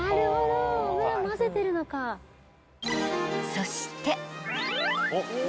［そして］